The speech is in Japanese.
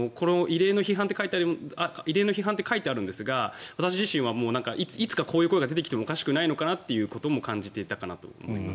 異例の批判って書いてあるんですが私自身はいつかこういう声が出てきてもおかしくないかなということも感じていたかと思います。